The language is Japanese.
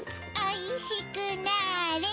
おいしくなれ！